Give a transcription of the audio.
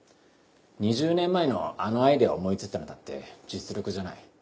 ２０年前のあのアイデアを思いついたのだって実力じゃない。